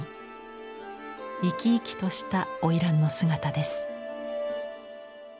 生き生きとしたおいらんの姿です。